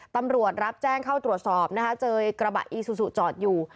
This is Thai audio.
ตำรวจรับแจ้งเข้าตรวจสอบนะคะเจอกระบะอีซูซูจอดอยู่